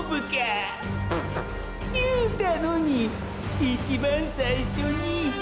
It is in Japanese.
ププッ言うたのに一番最初にィ。